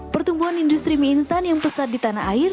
pertumbuhan industri mie instan yang pesat di tanah air